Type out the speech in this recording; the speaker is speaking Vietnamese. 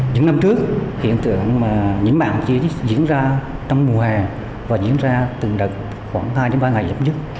những năm trước hiện tượng những mạng chiến diễn ra trong mùa hè và diễn ra từng đợt khoảng hai ba ngày giấm dứt